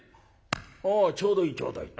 「あちょうどいいちょうどいい。